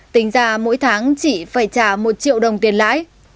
tính ra mỗi tháng chị phải trả một triệu đồng tiền lãi